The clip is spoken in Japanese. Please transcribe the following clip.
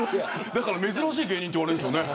だから珍しい芸人って言われるんですよね。